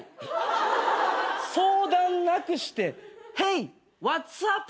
相談なくしてヘイワッツアップ？